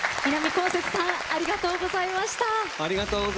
こうせつさんありがとうございました。